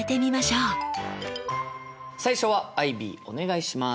最初はアイビーお願いします。